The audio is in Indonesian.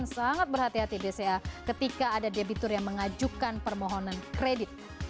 sangat berhati hati bca ketika ada debitur yang mengajukan permohonan kredit